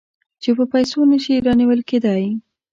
چې په پیسو نه شي رانیول کېدای.